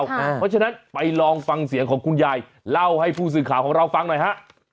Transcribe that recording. เพราะฉะนั้นไปลองฟังเสียงของคุณยายเล่าให้ผู้สื่อข่าวของเราฟังหน่อยฮะ